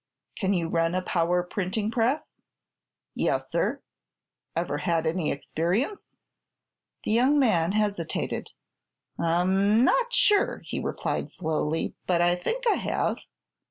"Can you run a power printing press?" "Yes, sir." "Ever had any experience?" The young man hesitated. "I'm not sure," he replied slowly; "but I think I have."